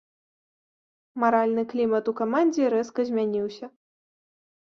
Маральны клімат у камандзе рэзка змяніўся.